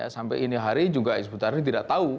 sampai ini hari juga sebetulnya tidak tahu